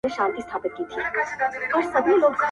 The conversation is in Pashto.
لـكــه دی لـــونــــــگ.